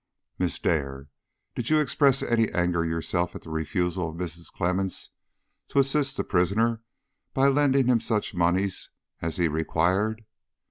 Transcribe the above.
"Miss Dare, did you express any anger yourself at the refusal of Mrs. Clemmens to assist the prisoner by lending him such moneys as he required?"